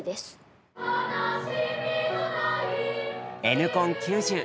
「Ｎコン９０」